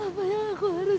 apa yang aku harus lakukan